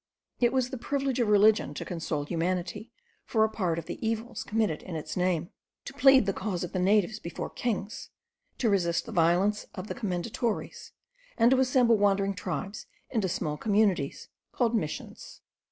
It was the privilege of religion to console humanity for a part of the evils committed in its name; to plead the cause of the natives before kings, to resist the violence of the commendatories, and to assemble wandering tribes into small communities called Missions.